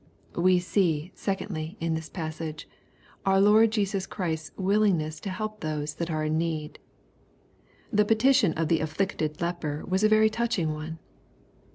We see, secondly, in this passage, our Lord Jesua Christ's toUlingness to help those that are in need. The petition of the afflicted leper was a very touching one.